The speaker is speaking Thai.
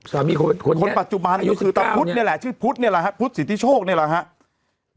สามีคนปัจจุบันคือตามพุทธเนี่ยแหละชื่อพุทธเนี่ยแหละครับพุทธสิทธิโชคเนี่ยแหละครับ